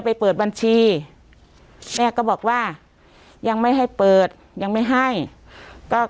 ไปเปิดบัญชีแม่ก็บอกว่ายังไม่ให้เปิดยังไม่ให้ก็